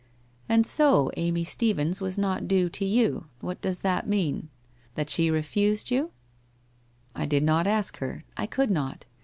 ' And so Amy Stephens was not due to you — what docs that mean ? That she refused you ?' c I did not ask her. I could not.